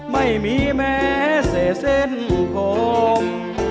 ไม่มีแม้เศษเส้นผม